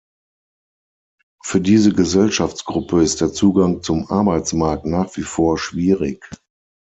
Für diese Gesellschaftsgruppe ist der Zugang zum Arbeitsmarkt nach wie vor schwierig.